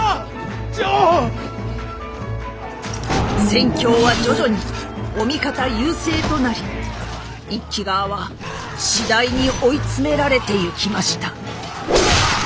戦況は徐々にお味方優勢となり一揆側は次第に追い詰められていきました。